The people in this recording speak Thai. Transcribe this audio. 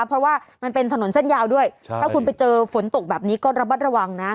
เพราะว่ามันเป็นถนนเส้นยาวด้วยถ้าคุณไปเจอฝนตกแบบนี้ก็ระมัดระวังนะ